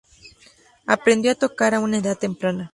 Aprendió a tocar a una edad temprana.